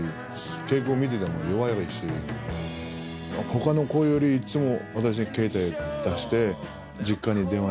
他の子よりいつも。